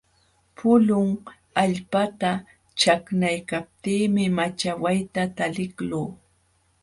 Pulun allpata chakmaykaptiimi machawayta taliqluu.